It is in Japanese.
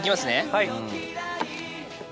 はい。